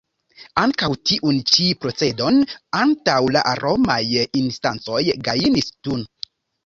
Ankaŭ tiun ĉi procedon antaŭ la romaj instancoj gajnis Thun.